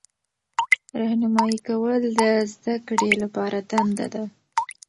راهنمایي کول د زده کړې لپاره دنده ده.